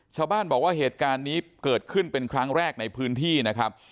ชาวบ้านบอกว่าเหตุการณ์นี้เกิดขึ้นเป็นครั้งแรกในพื้นที่นะครับ